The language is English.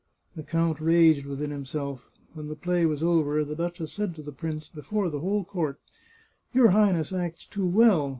The count raged within himself. When the play was over, the duchess said to the prince, before the whole court :" Your Highness acts too well.